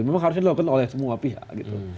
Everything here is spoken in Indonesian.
memang harusnya dilakukan oleh semua pihak gitu